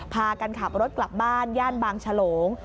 พากันขับรถกลับบ้านย่านบางฉลง